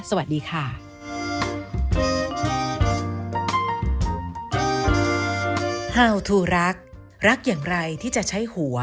สวัสดีค่ะ